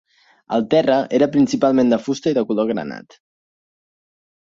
El terre era principalment de fusta i de color granat.